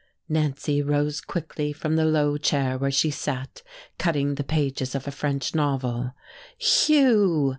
Nancy, rose quickly from the low chair where she sat cutting the pages of a French novel. "Hugh!"